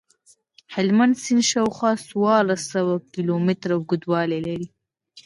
هلمند سیند شاوخوا څوارلس سوه کیلومتره اوږدوالی لري.